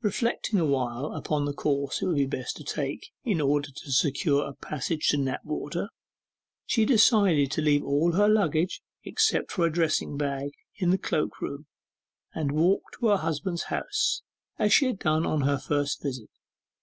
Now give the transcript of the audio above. Reflecting awhile upon the course it would be best to take, in order to secure a passage to Knapwater, she decided to leave all her luggage, except a dressing bag, in the cloak room, and walk to her husband's house, as she had done on her first visit.